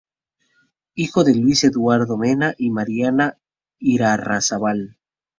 Hijo de Luis Eduardo Mena y Mariana Irarrázabal.